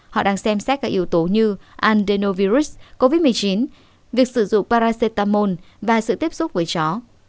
họ đang xem xét các yếu tố như alenovirus covid một mươi chín việc sử dụng paracetamol và sự tiếp xúc với chó